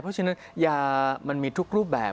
เพราะฉะนั้นยามันมีทุกรูปแบบ